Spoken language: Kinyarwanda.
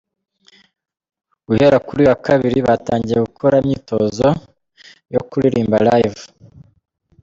Guhera kuri uyu wa Kabiri batangiye gukora imyitozo yo kuririmba live.